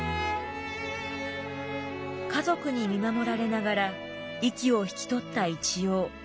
家族に見守られながら息を引き取った一葉。